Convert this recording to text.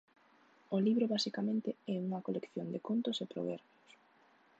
O libro basicamente é unha colección de contos e proverbios.